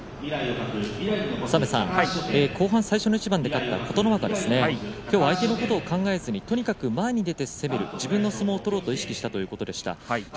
後半最初の一番で勝った琴ノ若相手のことを考えずにとにかく前に出て攻める自分の相撲を取ろうと意識したということでした。